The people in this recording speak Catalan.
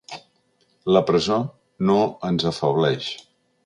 La presó no ens afebleix.